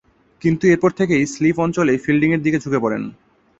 কিন্তু এরপর থেকেই স্লিপ অঞ্চলে ফিল্ডিংয়ের দিকে ঝুঁকে পড়েন।